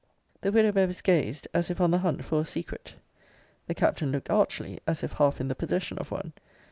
The widow Bevis gazed, as if on the hunt for a secret. The Captain looked archly, as if half in the possession of one.